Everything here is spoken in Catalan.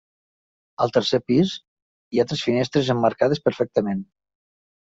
Al tercer pis, hi ha tres finestres emmarcades perfectament.